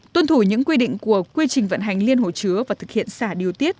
tuân thủ những quy định của quy trình vận hành liên hồ chứa và thực hiện xả điều tiết